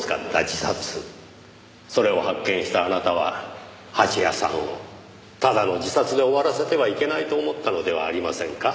それを発見したあなたは蜂矢さんをただの自殺で終わらせてはいけないと思ったのではありませんか？